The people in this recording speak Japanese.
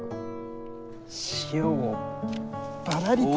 塩をバラリと。